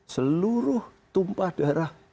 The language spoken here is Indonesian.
seluruh tumpah darah